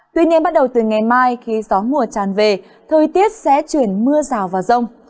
tuy nhiên bắt đầu từ ngày mai khi gió mùa tràn về thời tiết sẽ chuyển mưa rào và rông